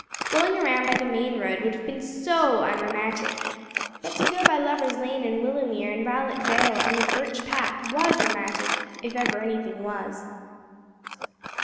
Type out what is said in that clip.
Going around by the main road would have been so unromantic; but to go by Lover's Lane and Willowmere and Violet Vale and the Birch Path was romantic, if ever anything was.